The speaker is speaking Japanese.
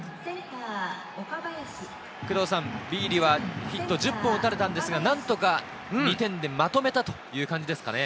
ビーディはヒット１０本を打たれたんですが、何とか２点でまとめたという感じですかね。